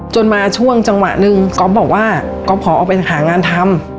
มาช่วงจังหวะหนึ่งก๊อฟบอกว่าก๊อฟขอออกไปหางานทำ